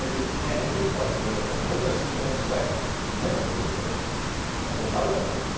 ５０歳超えてもう１回新婚時代を送るということになるかもしれません。